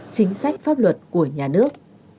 chính sách pháp luật của nhà nước